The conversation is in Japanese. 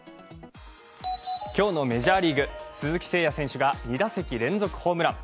今日のメジャーリーグ鈴木誠也選手が２打席連続ホームラン。